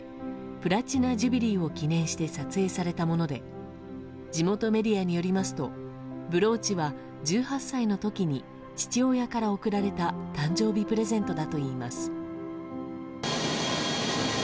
プラチナ・ジュビリーを記念して撮影されたもので地元メディアによりますとブローチは、１８歳の時に父親から贈られた誕生日プレゼントだといいます。